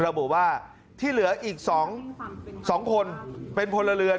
ระบุว่าที่เหลืออีก๒คนเป็นพลเรือน